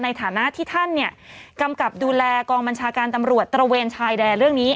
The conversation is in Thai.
ในฐานะที่ท่านเนี่ยกำกับดูแลกองบัญชาการตำรวจตระเวนชายแดนเรื่องนี้